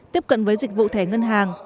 tiếp cận với dịch vụ thẻ ngân hàng